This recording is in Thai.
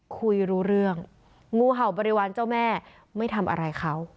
คุยรู้เรื่องงูเห่าบริวารเจ้าแม่ไม่ทำอะไรเขา